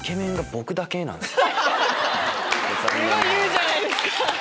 すごい言うじゃないですか！